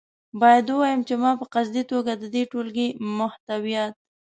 باید ووایم چې ما په قصدي توګه د دې ټولګې محتویات.